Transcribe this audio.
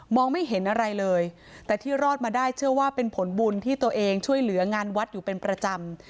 ไม่เห็นอะไรเลยแต่ที่รอดมาได้เชื่อว่าเป็นผลบุญที่ตัวเองช่วยเหลืองานวัดอยู่เป็นประจำ